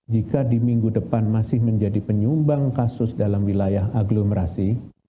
jika di minggu depan masih menjadi penyumbang kasus dalam wilayah aglomerasi